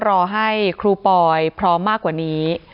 รอให้ครูปอยพร้อมมากกว่านี้